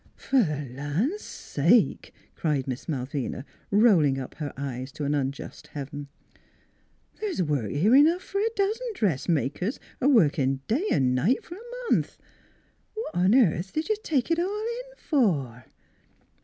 " Per th' land sake !" cried Miss Malvina, roll ing up her eyes to an unjust heaven. " The's work enough here f'r a dozen dressmakers a workin' day an' night f'r a month. What on airth did you take it all in for?"